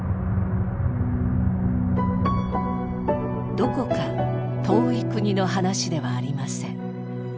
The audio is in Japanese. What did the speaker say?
どこか遠い国の話ではありません。